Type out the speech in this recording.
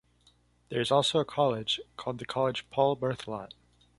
There is also a college, called the college Paule-Berthelot.